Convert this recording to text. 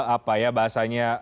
apa ya bahasanya